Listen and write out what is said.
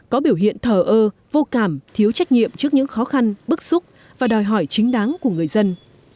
có biểu hiện thờ ơ vô cảm thiếu trách nhiệm trước những khó khăn bức xúc và đòi hỏi chính đáng của người dân